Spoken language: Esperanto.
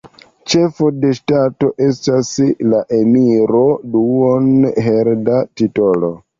Ĉefo de ŝtato estas la Emiro, duon-hereda titolo.